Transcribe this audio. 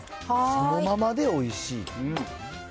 そのままでおいしい。